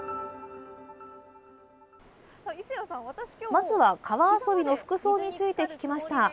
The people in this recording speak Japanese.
まずは川遊びの服装について聞きました。